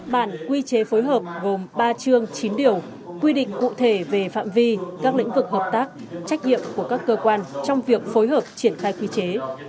bản quy chế phối hợp gồm ba chương chín điều quy định cụ thể về phạm vi các lĩnh vực hợp tác trách nhiệm của các cơ quan trong việc phối hợp triển khai quy chế